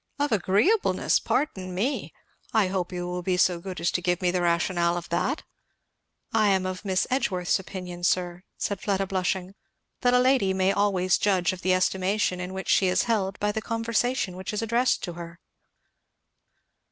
"Of agreeableness! Pardon me I hope you will be so good as to give me the rationale of that?" "I am of Miss Edgeworth's opinion, sir," said Fleda blushing, "that a lady may always judge of the estimation in which she is held by the conversation which is addressed to her."